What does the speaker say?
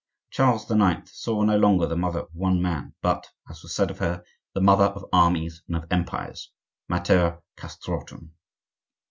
Charles IX. saw no longer the mother of one man, but (as was said of her) the mother of armies and of empires,—mater castrorum.